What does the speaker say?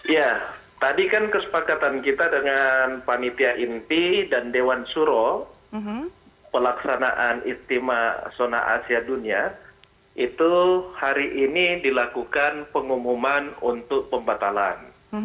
ya tadi kan kesepakatan kita dengan panitia inti dan dewan suro pelaksanaan istimewa sonah asia dunia itu hari ini dilakukan pengumuman untuk pembatalan